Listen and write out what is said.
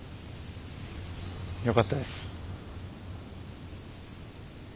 よかったです。